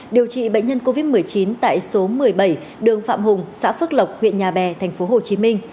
điều trị bệnh nhân covid một mươi chín tại số một mươi bảy đường phạm hùng xã phước lộc huyện nhà bè tp hcm